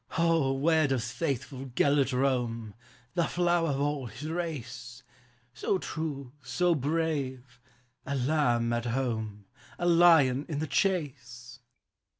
"O, where does faithful Gelert roam, The flower of all his race; So true, so brave, — a lamb at home A lion in the chase?